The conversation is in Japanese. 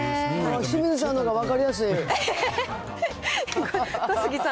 清水さんのほうが分かりやすい。